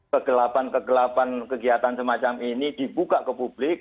kegelapan kegelapan kegiatan semacam ini dibuka ke publik